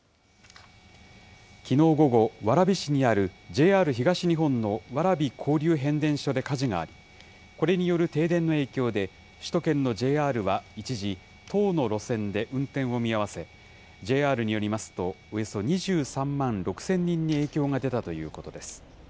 きのう午後、蕨市にあるＪＲ東日本の蕨交流変電所で火事があり、これによる停電の影響で、首都圏のＪＲは一時、１０の路線で運転を見合わせ、ＪＲによりますと、およそ２３万６０００人に影響が出たということです。